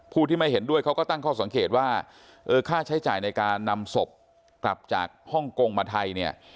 ผู้ที่ไม่เห็นด้วยเขาก็ตั้งข้อสังเกตว่าเออค่าใช้จ่ายในการนำศพกลับจากฮ่องกงมาไทยเนี่ย